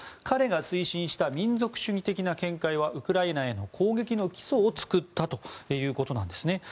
彼が推進した民族主義的な見解はウクライナへの攻撃の基礎を作ったということです。